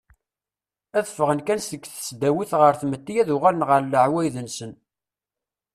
Ad ffɣen kan seg tesdawit ɣer tmetti ad uɣalen ɣer leɛwayed-nsen.